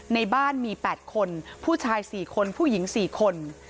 ในบ้านมี๘คนผู้ชาย๔คนผู้หญิง๔คน